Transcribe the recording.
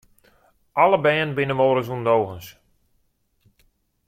Alle bern binne wolris ûndogens.